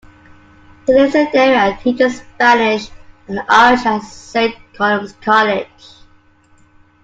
He lives in Derry and teaches Spanish and Irish at Saint Columb's College.